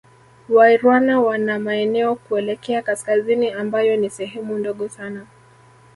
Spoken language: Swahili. Wairwana wana maeneo kuelekea Kaskazini ambayo ni sehemu ndogo sana